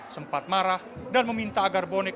sempat marah dan meminta agar bonek